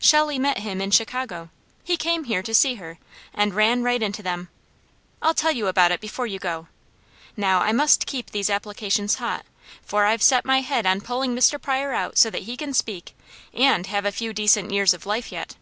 Shelley met him in Chicago, he came here to see her, and ran right into them. I'll tell you about it before you go. Now, I must keep these applications hot, for I've set my head on pulling Mr. Pryor out so that he can speak, and have a few decent years of life yet."